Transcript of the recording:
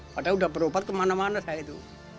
padahal udah berubat kemana mana saya itu